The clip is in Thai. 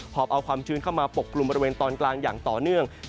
อบเอาความชื้นเข้ามาปกกลุ่มบริเวณตอนกลางอย่างต่อเนื่อง